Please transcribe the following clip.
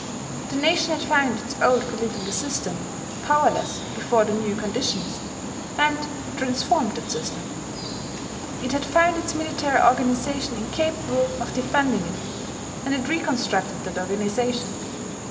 The nation had found its old political system powerless before the new conditions; and it transformed that system. It had found its military organization incapable of defending it; and it reconstructed that organization.